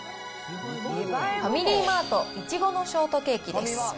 ファミリーマート、いちごのショートケーキです。